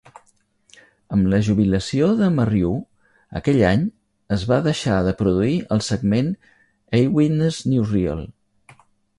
Amb la jubilació de Marriou aquell any, es va deixar de produir el segment "Eyewitness Newsreel".